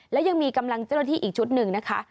และยังมีกำลังเจ้าหน้าที่อีกชุดหนึ่งนะคะ